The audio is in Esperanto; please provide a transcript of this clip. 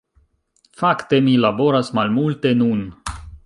Fakte, mi laboras malmulte nun.